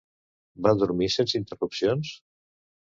Va dormir sense interrupcions?